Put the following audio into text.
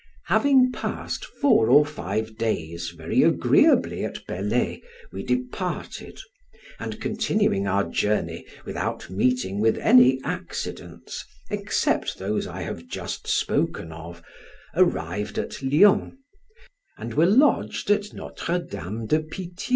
Having passed four or five days very agreeably at Bellay, we departed, and continuing our journey without meeting with any accidents, except those I have just spoken of, arrived at Lyons, and were lodged at Notre Dame de Pitie.